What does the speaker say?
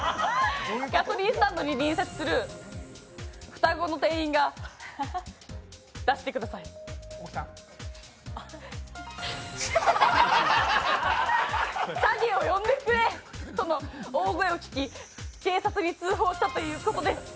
ガソリンスタンドに隣接する双子の店員がチャゲを呼んでくれとの大声を聞き警察に通報したということです。